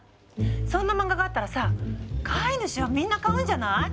そんな漫画があったらさ飼い主はみんな買うんじゃない？